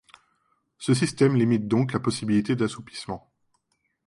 Ce système limite donc la possibilité d'assoupissement.